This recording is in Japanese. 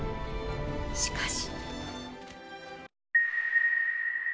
しかし。